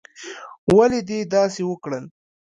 ولې دې داسې وکړل؟